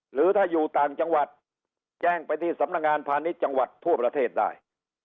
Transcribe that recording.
หรือถ้าอยู่ต่างจังหวัดแจ้งไปที่สำนักงานพาณิชย์จังหวัดทั่วประเทศได้